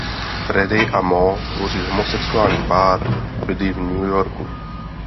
Freddy a Mo tvoří homosexuální pár a bydlí v New Yorku.